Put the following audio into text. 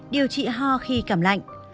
điều trị ho khi cảm lạnh